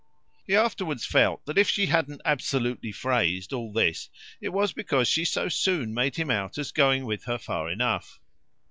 He afterwards felt that if she hadn't absolutely phrased all this it was because she so soon made him out as going with her far enough.